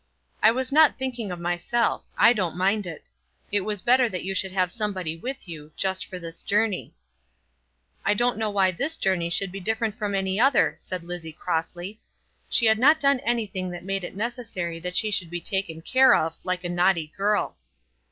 "I was not thinking of myself. I don't mind it. It was better that you should have somebody with you, just for this journey." "I don't know why this journey should be different from any other," said Lizzie crossly. She had not done anything that made it necessary that she should be taken care of, like a naughty girl.